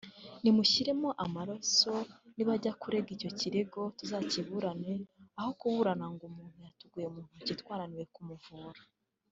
nimumushyiremo amaraso nibajya kurega icyo kirego tuzakiburane aho kuburana ngo umuntu yatuguye mu ntoki twananiwe kumuvura